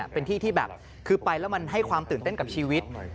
เป็นที่ที่แบบคือไปแล้วมันให้ความตื่นเต้นกับชีวิต